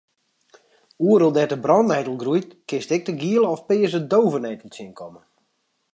Oeral dêr't de brannettel groeit kinst ek de giele of pearse dôvenettel tsjinkomme.